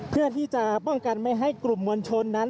เพื่อที่จะป้องกันไม่ให้กลุ่มมวลชนนั้น